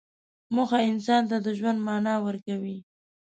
موخه انسان ته د ژوند معنی ورکوي.